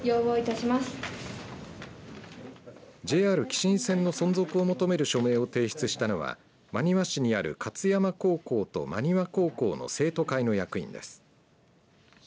ＪＲ姫新線の存続を求める署名を提出したのは真庭市にある勝山高校と真庭高校の生徒会の役員です。